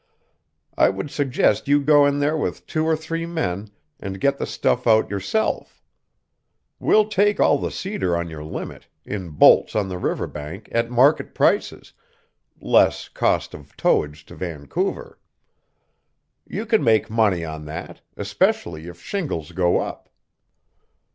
I would suggest you go in there with two or three men and get the stuff out yourself. We'll take all the cedar on your limit, in bolts on the river bank at market prices, less cost of towage to Vancouver. You can make money on that, especially if shingles go up."